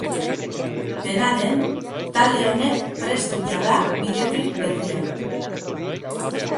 Dena den, talde honek prest du jada bideoklip berria.